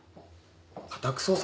家宅捜索？